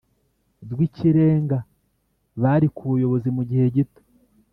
rw Ikirenga bari ku buyobozi mu gihe gito